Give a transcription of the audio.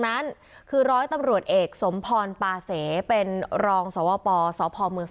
มีกล้วยติดอยู่ใต้ท้องเดี๋ยวพี่ขอบคุณ